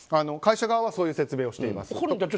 会社側はそういう説明をしています。